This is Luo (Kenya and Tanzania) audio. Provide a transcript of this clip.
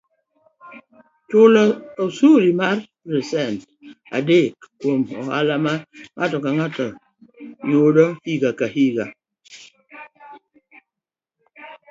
Chulo osuru mar pasent adek kuom ohala ma ng'ato yudo higa ka higa,